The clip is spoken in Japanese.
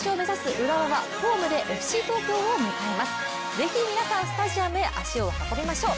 ぜひ皆さんスタジアムへ足を運びましょう。